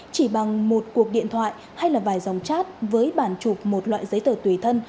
chỉ bằng một cuộc điện thoại hay là vài dòng chat với bản chụp một loại giấy tờ tùy thân